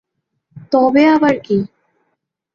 তবে আবার কী।